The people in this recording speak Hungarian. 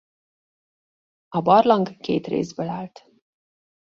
A barlang két részből állt.